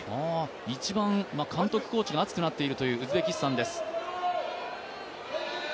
一番、監督、コーチが熱くなっているというウズベキスタンです。